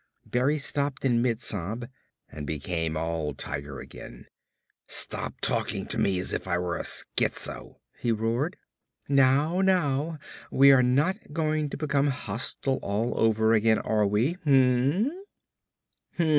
Berry stopped in mid sob and became all tiger again. "Stop talking to me as if I were a schizo!" he roared. "Now, now, we are not going to become hostile all over again are we? Hm m m?"